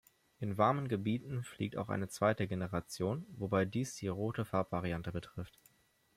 In warmen Gebieten fliegt auch eine zweite Generation, wobei dies die rote Farbvariante betrifft.